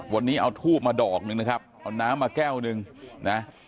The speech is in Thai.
วันนี้เอาทูบมาดอกหนึ่งนะครับเอาน้ำมาแก้วหนึ่งนะ